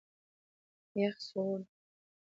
یخ سوړ دی.